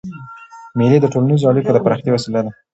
مېلې د ټولنیزو اړیکو د پراختیا وسیله ده.